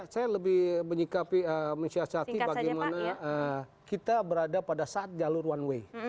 saya lebih menyikapi menyiasati bagaimana kita berada pada saat jalur one way